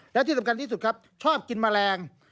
และที่สำคัญที่สุดครับชอบกินแมลง